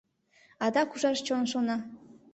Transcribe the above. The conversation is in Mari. Адак ужаш чон шона.